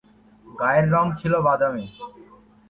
গায়ের রং ছিল বাদামি।